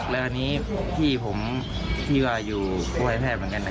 เดี๋ยวหนึ่งพี่ผมยืออยู่ไฟแภบเหมือนกันนะ